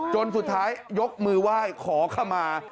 จนสุดท้ายยกมือไหว้ขอขมา